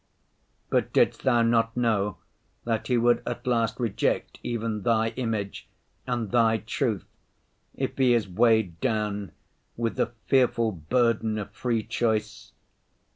But didst Thou not know that he would at last reject even Thy image and Thy truth, if he is weighed down with the fearful burden of free choice?